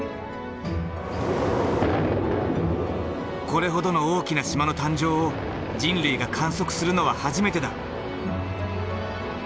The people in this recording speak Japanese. これほどの大きな島の誕生を人類が観測するのは初めてだ。